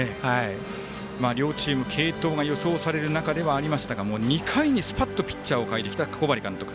両チーム、継投が予想される中ではありましたが２回にスパッとピッチャーを代えてきた小針監督。